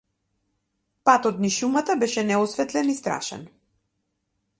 Патот низ шумата беше неосветлен и страшен.